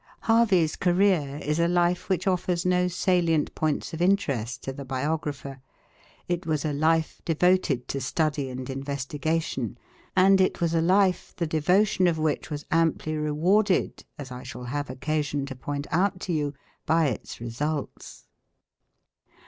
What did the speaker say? Harvey's career is a life which offers no salient points of interest to the biographer. It was a life devoted to study and investigation; and it was a life the devotion of which was amply rewarded, as I shall have occasion to point out to you, by its results.